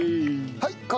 はい。